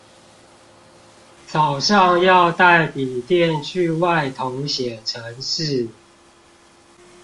早上要帶筆電去外頭寫程式